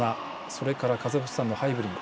それからカザフスタンのハイブリン。